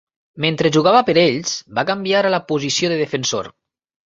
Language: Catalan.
Mentre jugava per ells, va canviar a la posició de defensor.